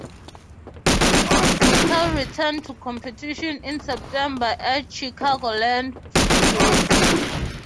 McClure returned to competition in September at Chicagoland Speedway.